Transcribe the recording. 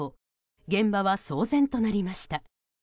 現場は騒然となりました。